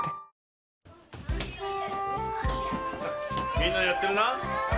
みんなやってるな？